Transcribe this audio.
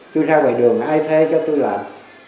tôi ra ngoài đường ai thê cho tôi lại